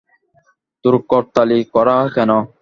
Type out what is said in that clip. তোর কর্তালি করা কেন।